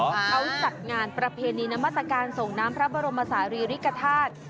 เขาจัดงานประเพณีนามมาตรการส่งน้ำพระบรมศาลีริกฐาตุ